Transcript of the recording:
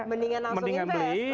mendingan langsung invest langsung rumah